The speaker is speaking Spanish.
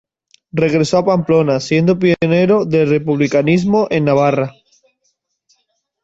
Regresó a Pamplona, siendo pionero del republicanismo en Navarra.